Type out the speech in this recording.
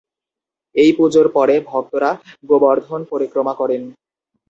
এই পুজোর পরে, ভক্তরা গোবর্ধন পরিক্রমা করেন।